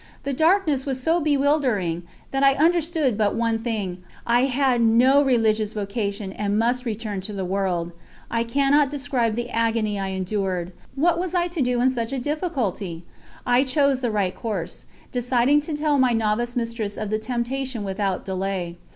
The darkness was so bewildering that I understood but one thing I had no religious vocation, and must return to the world. I cannot describe the agony I endured. What was I to do in such a difficulty? I chose the right course, deciding to tell my Novice Mistress of the temptation without delay.